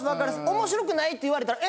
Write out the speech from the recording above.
面白くないって言われたらえ？